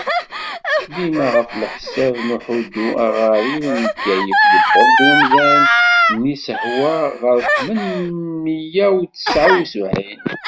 Dima ɣef leḥsab n Uḥuddu Aɣarim n Bgayet, yewweḍ umḍan n yisehwa ɣer temnemya u tesεa u sebεin.